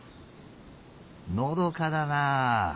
のどかだなあ。